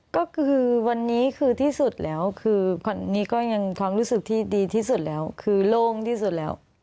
ก็คือวันนี้คือที่สุดแล้วคือขวัญนี้ก็ยังความรู้สึกที่ดีที่สุดแล้วคือโล่งที่สุดแล้ว